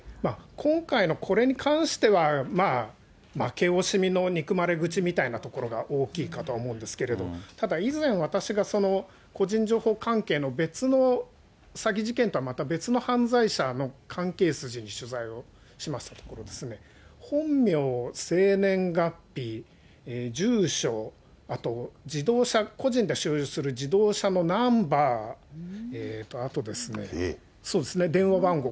今回のこれに関しては、まあ、負け惜しみの憎まれ口みたいなところが大きいかとは思うんですけれど、ただ、以前、私が、個人情報関係の別の、詐欺事件とはまた別の犯罪者の関係筋に取材をしましたところ、本名、生年月日、住所、あと自動車、個人で所有する自動車のナンバーと、あとですね、そうですね、電話番号。